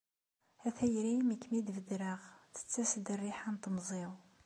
A tayri mi kem-id-bedreɣ tettas-d rriḥa n temẓi-w!